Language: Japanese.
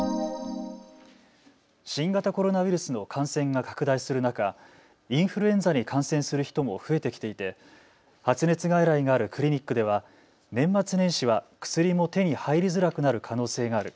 新型コロナウイルスの感染が拡大する中、インフルエンザに感染する人も増えてきていて発熱外来があるクリニックでは年末年始は薬も手に入りづらくなる可能性がある。